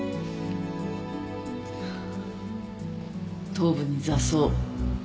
頭部に挫創。